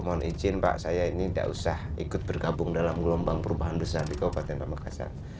mohon izin pak saya ini tidak usah ikut bergabung dalam gelombang perubahan besar di kabupaten pamekasan